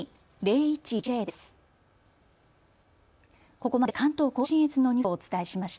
続いて関東甲信越のニュースをお伝えします。